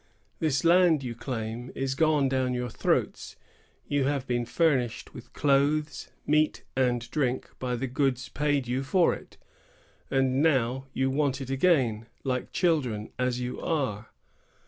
This land you claim is gone down your throats; you have been furnished with clothes, meat, and drink, by the goods paid you for it, and now you want it again, like children as you are.